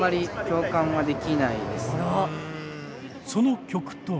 その曲とは。